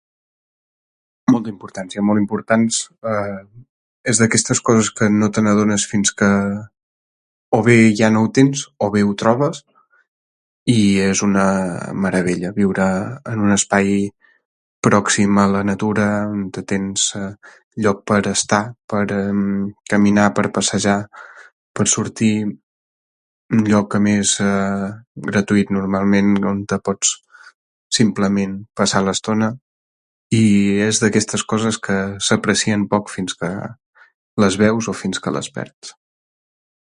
Molta importància, molt importants. És d'aquestes coses que no te'n adones fins que... o bé ja no ho tens o bé ho trobes. I és una meravella viure en un espai pròxim a la natura, on te tens lloc per estar, per a... caminar, per passejar, pots sortir... Un lloc a més gratuit normalment on te pots simplement passar l'estona. I... és d'aquestes coses que s'aprecien poc fins que... les veus o fins que les perds.